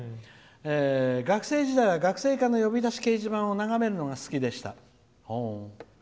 「学生時代は学生課の呼び出し掲示板を眺めるのが好きでした」。